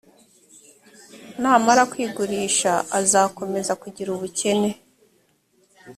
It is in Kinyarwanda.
namara kwigurisha azakomeza kugir ubukene.